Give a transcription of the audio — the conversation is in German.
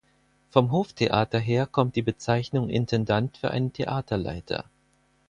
Vom Hoftheater her kommt die Bezeichnung Intendant für einen Theaterleiter.